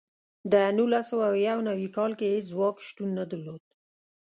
د نولس سوه یو نوي کال کې هېڅ ځواک شتون نه درلود.